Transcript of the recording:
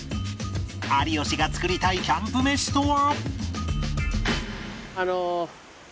有吉が作りたいキャンプ飯とは？